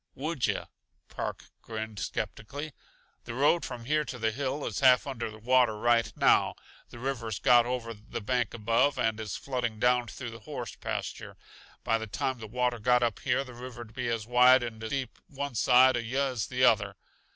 "Would yuh?" Park grinned skeptically. "The road from here to the hill is half under water right now; the river's got over the bank above, and is flooding down through the horse pasture. By the time the water got up here the river'd be as wide and deep one side uh yuh as the other.